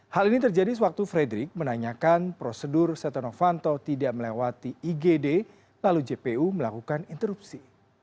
hal ini terjadi sewaktu frederick menanyakan prosedur setia novanto tidak melewati igd lalu jpu melakukan interupsi